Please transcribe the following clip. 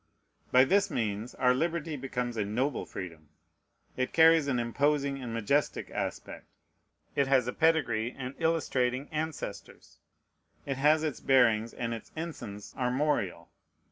By this means our liberty becomes a noble freedom. It carries an imposing and majestic aspect. It has a pedigree and illustrating ancestors. It has its bearings and its ensigns armorial.